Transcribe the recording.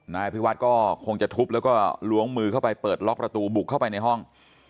นายอภิวัฒน์ก็คงจะทุบแล้วก็ล้วงมือเข้าไปเปิดล็อกประตูบุกเข้าไปในห้อง